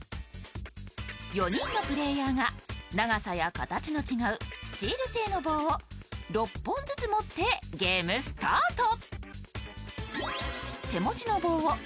４人のプレーヤーが長さと形の違う棒を６本ずつ持ってゲームスタート。